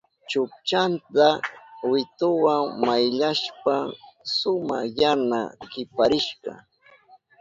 Chukchanta wituwa mayllashpan suma yana kiparishka.